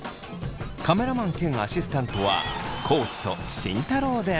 カメラマン兼アシスタントは地と慎太郎です。